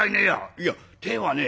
いや鯛はね